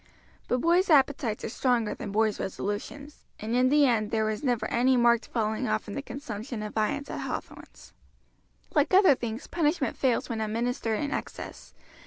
But boys' appetites are stronger than boys' resolutions, and in the end there was never any marked falling off in the consumption of viands at Hathorn's. Like other things punishment fails when administered in excess.